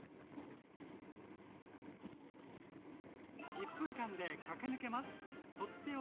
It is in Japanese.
１分間で駆け抜けます！